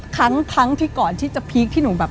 ครั้งที่ก่อนที่จะพีคที่หนูแบบ